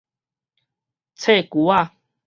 冊龜仔